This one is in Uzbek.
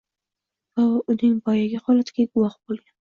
Va uning boyagi holatiga guvoh bo’lgan.